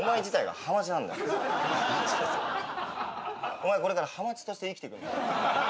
お前はこれからハマチとして生きていくんだ。